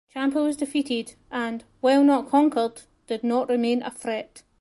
Champa was defeated and, while not conquered, did not remain a threat.